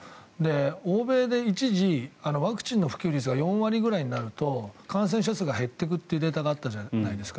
欧米で一時、ワクチンの普及率が４割ぐらいになると感染者数が減ってくというデータがあったじゃないですか。